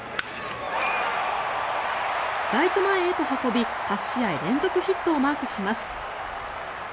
ライト前へと運び８試合連続ヒットをマークします。